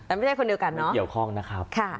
แต่ไม่ใช่คนเดียวกันนะเกี่ยวข้องนะครับ